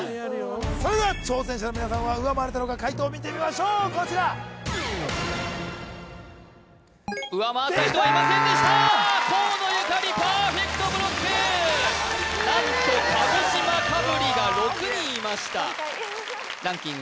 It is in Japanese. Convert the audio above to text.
それでは挑戦者の皆さんは上回れたのか解答を見てみましょうこちら上回った人はいませんでした河野ゆかりパーフェクトブロック何と鹿児島かぶりが６人いましたランキング